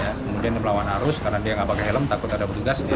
kemudian melawan arus karena dia nggak pakai helm takut ada petugas